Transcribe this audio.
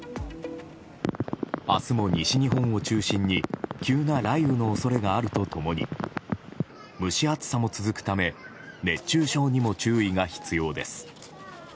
明日も西日本を中心に急な雷雨の恐れがあるとともに蒸し暑さも続くため熱中症にも注意が必要です。